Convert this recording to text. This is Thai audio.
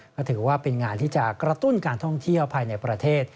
ก็ถือว่าเป็นงานที่จะกระตุ้นการท่องเที่ยวภายในประเทศ